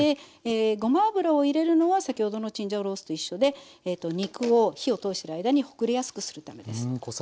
ごま油を入れるのは先ほどのチンジャオロースーと一緒でえっと肉を火を通してる間にほぐれやすくするためです。